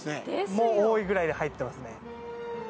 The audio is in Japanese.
もう多いくらいで入ってますね。